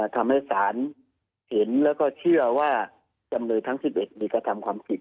ทำให้ศาลเห็นแล้วก็เชื่อว่าจำเลยทั้ง๑๑มีกระทำความผิด